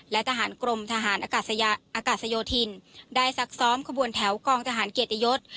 และทหารกรมทหารอากาศโยธินได้ซักซ้อมขบวนแถวกองทหารเกียรติยศ